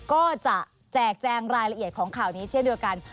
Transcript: ก็จะแจกแจงรายละเอียดของข่าวนี้เช่นเดียวกัน